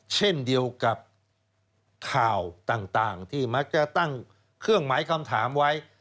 เช่นเดียวกับข่าวต่างที่มักจะตั้งเครื่องหมายคำถามไว้